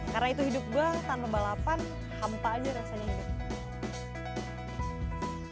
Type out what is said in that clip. karena itu hidup gue tanpa balapan hampa aja rasanya hidup